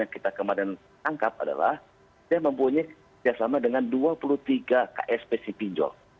yang kita kemarin tangkap adalah dia mempunyai kerjasama dengan dua puluh tiga ksp si pinjol